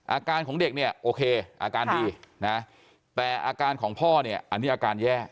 อาการของเด็กเนี่ยโอเคอาการดีนะแต่อาการของพ่อเนี่ยอันนี้อาการแย่